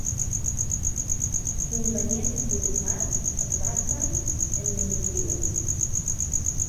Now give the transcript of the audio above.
Convenient Food Mart es basa en mentoria.